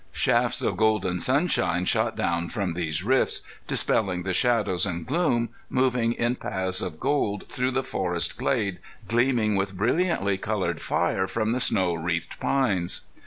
Shafts of golden sunshine shot down from these rifts, dispelling the shadows and gloom, moving in paths of gold through the forest glade, gleaming with brilliantly colored fire from the snow wreathed pines.